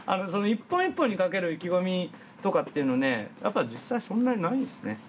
その一本一本にかける意気込みとかっていうのはねやっぱ実際そんなにないんですね。